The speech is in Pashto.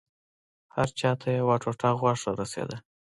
هر چا ته يوه ټوټه غوښه رسېدله.